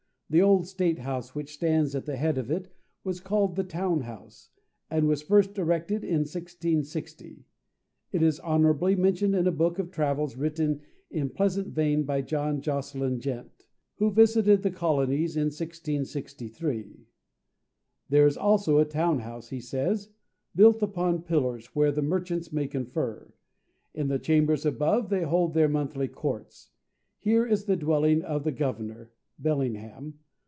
The old State House, which stands at the head of it, was called the Town House, and was first erected in 1660. It is honourably mentioned in a book of travels, written in a pleasant vein, by "John Josselyn, Gent." who visited the colonies in 1663. "There is also a Town House," he says, "built upon pillars, where the merchants may confer. In the chambers above they hold their monthly courts. Here is the dwelling of the Governor (Bellingham).